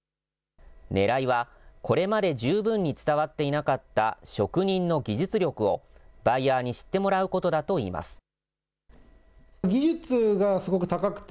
ねらいはこれまで十分に伝わっていなかった職人の技術力を、バイヤーに知ってもらうことだといいます。